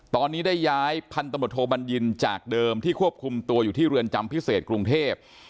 ตอนนี้ได้ย้ายพันตำรวจโทบัญญินจากเดิมที่ควบคุมตัวอยู่ที่เรือนจำพิเศษกรุงเทพ